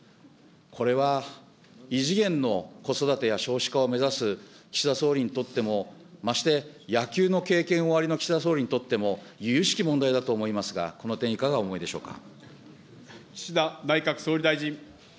これは異次元の子育てや少子化を目指す岸田総理にとっても、まして野球の経験がおありの岸田総理にとってもゆゆしき問題だと思いますが、この点いかがお思いでしょうか。